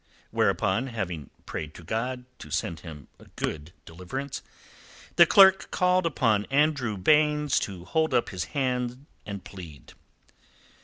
Whereupon, having prayed to God to send him a good deliverance, the clerk called upon Andrew Baynes to hold up his hand and plead.